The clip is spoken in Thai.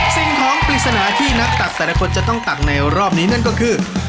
สิ่งของปริศนาที่นักตักแต่ละคนจะต้องตักในรอบนี้นั่นก็คือ